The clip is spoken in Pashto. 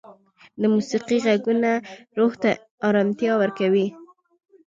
د موسیقۍ ږغونه روح ته ارامتیا ورکوي.